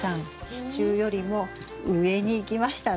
支柱よりも上にいきましたねとうとう。